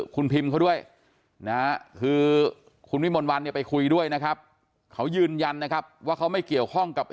คนอยู่น้ำกันในชุ่มช่วง